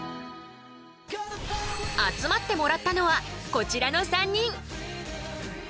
集まってもらったのはこちらの３人。